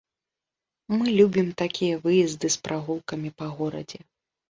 Мы любім такія выезды з прагулкамі па горадзе.